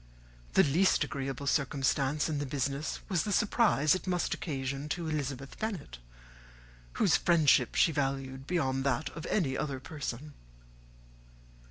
The least agreeable circumstance in the business was the surprise it must occasion to Elizabeth Bennet, whose friendship she valued beyond that of any other person.